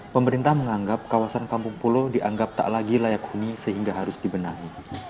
pemerintah menganggap kawasan kampung pulau dianggap tak lagi layak huni sehingga harus dibenahi